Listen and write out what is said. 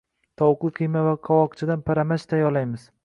Tovuqli qiyma va qovoqchadan paramach tayyorlaymiz